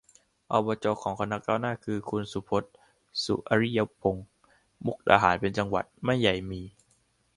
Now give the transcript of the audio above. อบจ ของคณะก้าวหน้าคือ คุณสุพจน์ สุอริยพงษ์ มุกดาหารเป็นจังหวัดไม่ใหญ่มี